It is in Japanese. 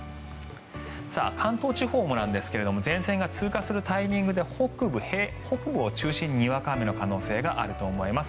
関東地方もなんですが前線が通過するタイミングで北部を中心ににわか雨の可能性があると思います。